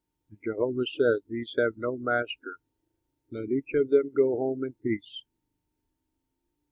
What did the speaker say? And Jehovah said, 'These have no master; let each of them go home in peace!'"